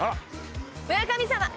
村神様！